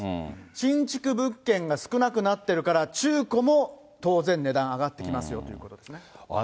新築物件が少なくなってるから、中古も当然、値段上がってきますよということですね。